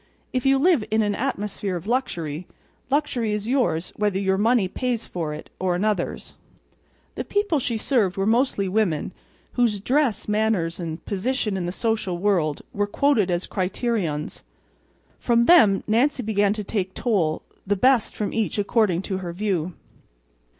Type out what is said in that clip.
If you live in an atmosphere of luxury, luxury is yours whether your money pays for it, or another's. The people she served were mostly women whose dress, manners, and position in the social world were quoted as criterions. From them Nancy began to take toll—the best from each according to her view.